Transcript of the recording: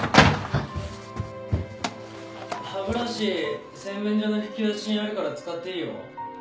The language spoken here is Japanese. ・歯ブラシ洗面所の引き出しにあるから使っていいよ。